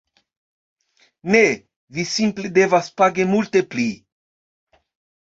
Ne, vi simple devas pagi multe pli